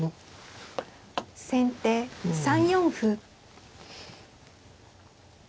先手３四歩。